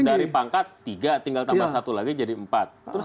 dari pangkat tiga tinggal tambah satu lagi jadi empat